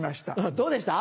どうでした？